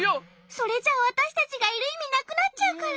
それじゃあわたしたちがいるいみなくなっちゃうから。